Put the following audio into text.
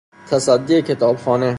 تصدی کتابخانه